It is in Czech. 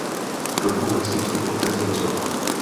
Do dvou měsíců poté zemřela.